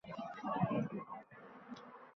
Bojxona nazoratidan yashirilgan tovarlar aniqlandi